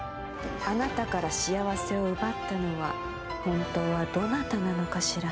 あなたから幸せを奪ったのは本当は、どなたなのかしら。